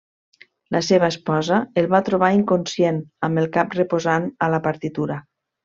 La seva esposa el va trobar inconscient, amb el cap reposant a la partitura.